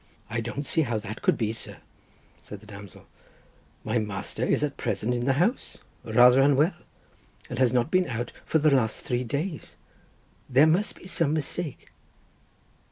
"I don't see how that could be, sir," said the damsel; "my master is at present in the house, rather unwell, and has not been out for the last three days. There must be some mistake."